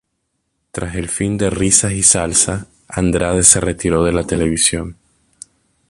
Tras el fin de "Risas y salsa", Andrade se retiró de la televisión.